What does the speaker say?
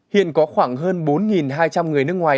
hiện có khoảng hơn bốn hai trăm linh người nước ngoài